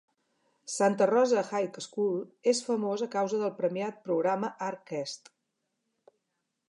Santa Rosa High School és famós a causa del premiat programa ArtQuest.